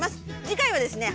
次回はですね